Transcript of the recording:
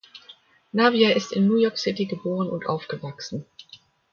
Navia ist in New York City geboren und aufgewachsen.